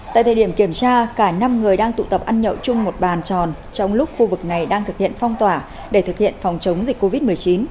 tại thời điểm kiểm tra cả năm người đang tụ tập ăn nhậu chung một bàn tròn trong lúc khu vực này đang thực hiện phong tỏa để thực hiện phòng chống dịch covid một mươi chín